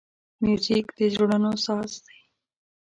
موزیک د زړونو ساز دی.